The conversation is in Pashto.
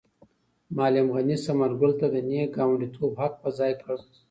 معلم غني ثمر ګل ته د نېک ګاونډیتوب حق په ځای کړ.